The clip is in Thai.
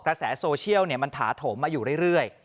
กระแสโซเชียลมันถาโถมมาอยู่เรื่อย